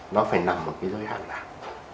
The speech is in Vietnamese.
nó phải nằm ở cái giới hạn nào